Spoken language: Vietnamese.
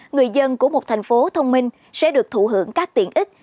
người dân của một thành phố thông minh sẽ được thụ hưởng các tiện ích